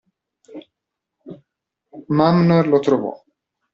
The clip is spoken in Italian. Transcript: Mamnor lo trovò.